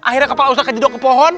akhirnya kepala ustadz kejedok ke pohon